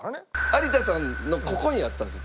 有田さんのここにあったんですよ